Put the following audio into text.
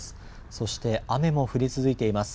そして、雨も降り続いています。